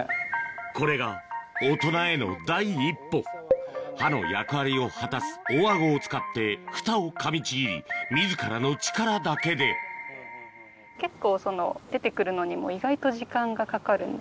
これが大人への第一歩歯の役割を果たす大アゴを使ってフタをかみちぎり自らの力だけで結構出て来るのにも意外と時間がかかるんですよ。